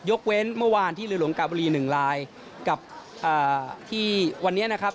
เว้นเมื่อวานที่เรือหลวงกาบุรี๑ลายกับที่วันนี้นะครับ